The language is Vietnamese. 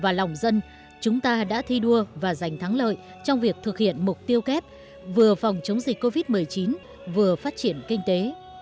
và lòng dân chúng ta đã thi đua và giành thắng lợi trong việc thực hiện mục tiêu kép vừa phòng chống dịch covid một mươi chín vừa phát triển kinh tế